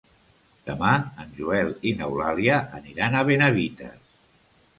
Demà en Joel i n'Eulàlia aniran a Benavites.